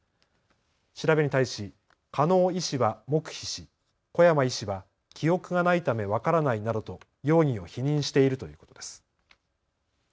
調べに対し加納医師は黙秘し小山医師は記憶がないため分からないなどと容疑を否認しているということです。